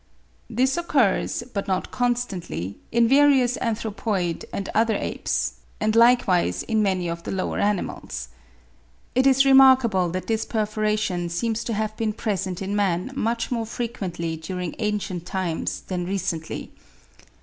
This occurs, but not constantly, in various anthropoid and other apes (50. Mr. St. George Mivart, 'Transactions Phil. Soc.' 1867, p. 310.), and likewise in many of the lower animals. It is remarkable that this perforation seems to have been present in man much more frequently during ancient times than recently.